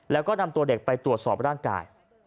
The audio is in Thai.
แล้วก็นำตัวเด็กไปตรวจสอบร่างกาย